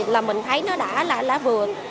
là mình thấy nó đã là vừa